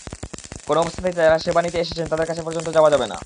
কোনো অবস্থাতেই যাঁরা সেবা নিতে এসেছেন, তাঁদের কাছ পর্যন্ত যাওয়া যাবে না।